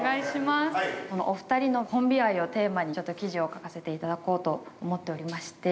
お二人のコンビ愛をテーマにちょっと記事を書かせていただこうと思っておりまして。